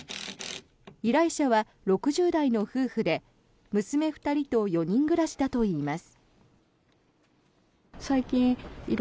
依頼者は６０代の夫婦で娘２人と４人暮らしだといいます。